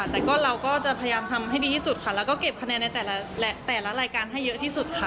แต่ก็เราก็จะพยายามทำให้ดีที่สุดค่ะแล้วก็เก็บคะแนนในแต่ละรายการให้เยอะที่สุดค่ะ